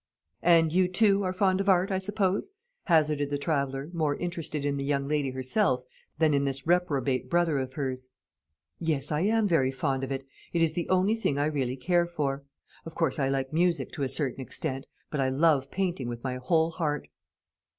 "And you too are fond of art, I suppose?" hazarded the traveller, more interested in the young lady herself than in this reprobate brother of hers. "Yes, I am very fond of it. It is the only thing I really care for. Of course, I like music to a certain extent; but I love painting with my whole heart."